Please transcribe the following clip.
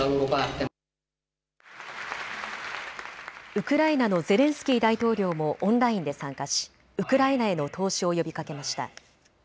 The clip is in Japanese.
ウクライナのゼレンスキー大統領もオンラインで参加しウクライナへの投資を呼びかけました。